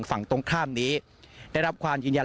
ฝั่งตรงข้ามนี้ได้รับความยืนยัน